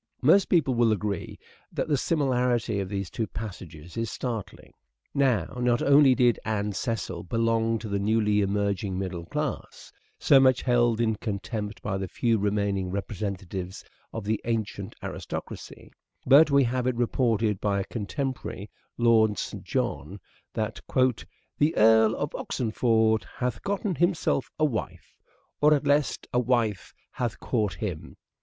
Most people will agree that the similarity of these two passages is startling. Now, not only did Anne Cecil belong to the newly emerging middle class, so much held in contempt by the few remaining representatives of the ancient aristocracy, but we have it reported by a contemporary, Lady Lord St. John, that, " the Erie of Oxenforde hath Oxford gotten himself a wyffe, or, at leste a wyffe hath caught him.